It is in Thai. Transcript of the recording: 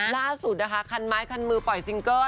ล่าสุดนะคะคันไม้คันมือปล่อยซิงเกอร์